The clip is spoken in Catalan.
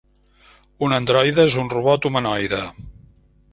Un androide és un robot humanoide.